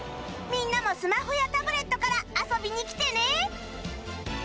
みんなもスマホやタブレットから遊びにきてね！